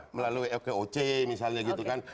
melalui fkoc misalnya gitu kan